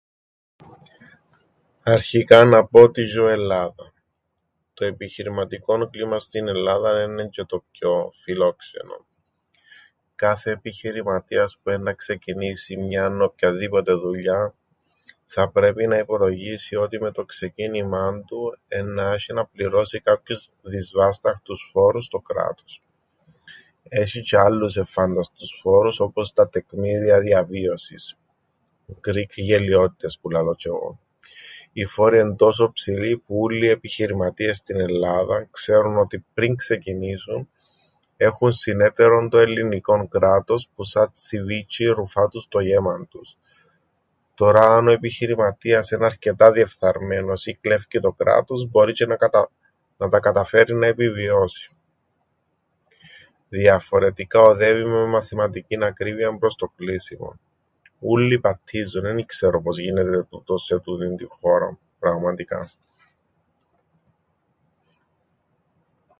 Αρχικά να πω ότι ζ̆ω Ελλάδαν. Το επιχειρηματικόν κλίμαν στην Ελλάδαν έννεν' τζ̆αι το πιο φιλόξενον. Κάθε επιχειρηματίας που έννα ξεκινήσει μιαν οποιαδήποτε δουλειάν, θα πρέπει να υπολογίσει ότι με το ξεκίνημαν του εννά 'σ̆ει να πληρώσει κάποιους δυσβάσταχτους φόρους στο κράτος. Έσ̆ει τζ̆αι άλλους ευφάνταστους φόρους, όπως τα τεκμήρια διαβίωσης, που κρύφει γελοιότητες που λαλώ τζ̆ι εγώ. Οι φόροι εν' τόσον ψηλοί, που ούλλοι οι επιχειρηματίες στην Ελλάδαν ξέρουν ότι, πριν ξεκινήσουν, έχουν συνέταιρον το ελληνικόν κράτος που σαν τσιβίτζ̆ιν ρουφά τους το γαίμαν τους. Τωρά αν ο επιχειρηματίας εν' αρκετά διεφθαρμένος ή κλέφκει το κράτος, μπορεί τζ̆αι κατα- να τα καταφέρει να επιβιώσει. Διαφορετικά οδεύει με μαθηματικήν ακρίβειαν προς το κλείσιμον. Ούλλοι παττίζουν, εν ι-ξέρω πώς γίνεται τούτον σε τούτην την χώραν, πραγματικά.